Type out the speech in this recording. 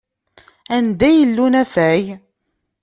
Anda yella unafag?